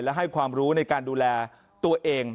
และให้ความรู้ในการดูแลตัวเอง